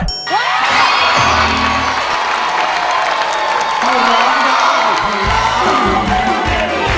ร้องได้